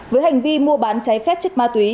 với hành vi mua bán cháy phép chất ma túy